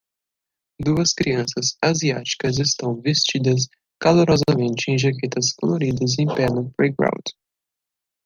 Duas crianças asiáticas estão vestidas calorosamente em jaquetas coloridas em pé no playground